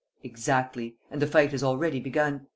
"Exactly. And the fight has already begun.